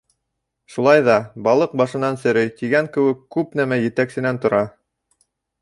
Шулай ҙа, балыҡ башынан серей, тигән кеүек, күп нәмә етәксенән тора.